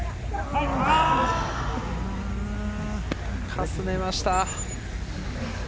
かすめました。